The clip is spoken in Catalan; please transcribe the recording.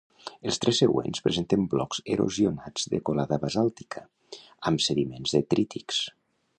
Els tres següents presenten blocs erosionats de colada basàltica amb sediments detrítics.